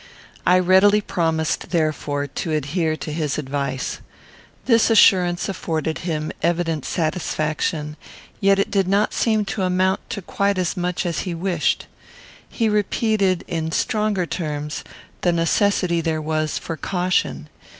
I readily promised, therefore, to adhere to his advice. This assurance afforded him evident satisfaction; yet it did not seem to amount to quite as much as he wished. He repeated, in stronger terms, the necessity there was for caution.